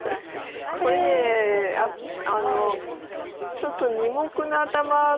ちょっと２目の頭。